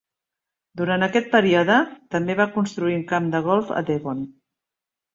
Durant aquest període, també va construir un camp de golf a Devon.